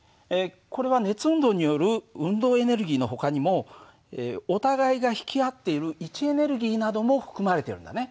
これは熱運動による運動エネルギーのほかにもお互いが引き合っている位置エネルギーなども含まれてるんだね。